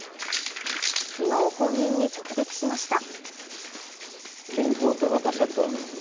昨日、本人に直撃しました。